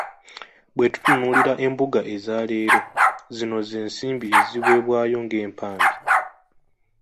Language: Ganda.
"Bwe tutunuulira embuga eza leero, zino z’ensimbi eziweebwayo ng’empaabi."